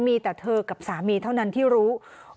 มีแต่เธอกับสามีเท่านั้นที่รู้